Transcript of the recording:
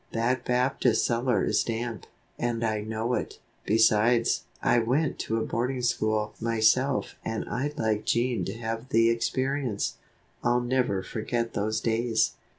That Baptist cellar is damp, and I know it. Besides, I went to a good boarding school myself and I'd like Jean to have the experience I'll never forget those days."